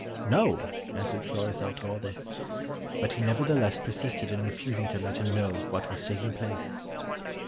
"No," answered Florizel to all this; but he nevertheless persisted in refusing to let him know what was taking place.